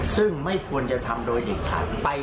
ซึ่งไม่ควรจะทำโดยเด็ดขาด